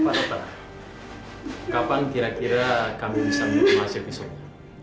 pak tata kapan kira kira kami bisa mencoba hasil pisau